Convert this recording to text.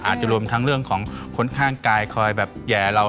อาจจะรวมทั้งเรื่องของคนข้างกายคอยแบบแห่เรา